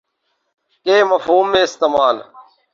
کے مفہوم میں استعمال